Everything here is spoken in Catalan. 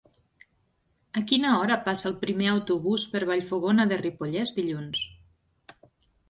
A quina hora passa el primer autobús per Vallfogona de Ripollès dilluns?